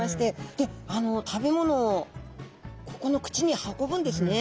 で食べ物をここの口に運ぶんですね。